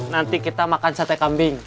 nanti kita makan sate kambing